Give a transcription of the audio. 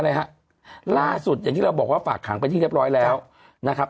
อะไรฮะล่าสุดอย่างที่เราบอกว่าฝากขังไปที่เรียบร้อยแล้วนะครับ